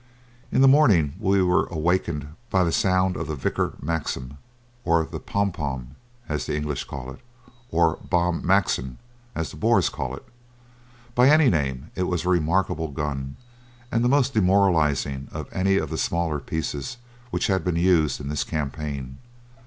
In the morning we were awakened by the sound of the Vickar Maxim or the "pom pom" as the English call it, or "bomb Maxim" as the Boers call it. By any name it was a remarkable gun and the most demoralizing of any of the smaller pieces which have been used in this campaign.